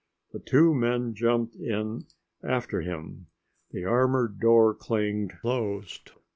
The two men jumped in after him. The armored door clanged closed.